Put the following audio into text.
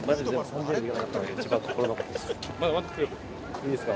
いいですか？